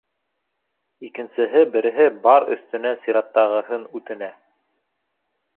Икенсеһе береһе бар өҫтөнә сираттағыһын үтенә.